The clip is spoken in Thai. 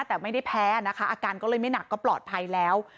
แต่ไม่ได้แพ้นะคะอาการก็เลยไม่หนักก็ปลอดภัยแล้ว